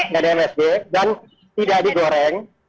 nggak ada msg dan tidak digoreng